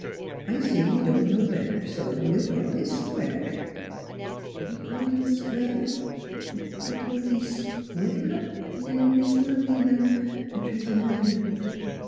... I see you didn't know no better; so we'll call it square." ;' We call eet sq ware but what ees sq ware, dear Mees Malvina?" entreated Madeleine.